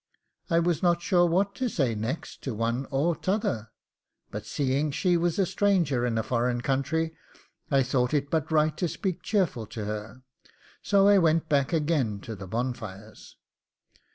I was not sure what to say next to one or t'other, but seeing she was a stranger in a foreign country, I thought it but right to speak cheerful to her; so I went back again to the bonfires.